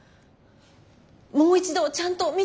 もう一度ちゃんと見てください。